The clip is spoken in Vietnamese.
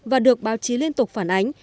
và được báo chí liên tục phản ánh